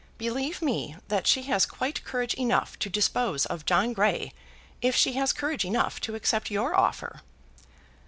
Believe me that she has quite courage enough to dispose of John Grey, if she has courage enough to accept your offer."